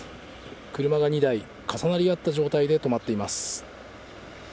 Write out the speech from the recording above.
車が２台、重なり合った状態で止まっています。